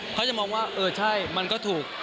เขาจะมองว่าเออใช่มันก็ถูก